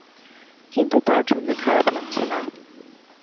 কিন্তু তার জন্যে খারাপ লাগছে না।